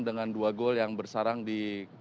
dengan dua gol yang bersarang di kuala lumpur